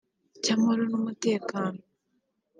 cy’amahoro n’umutekano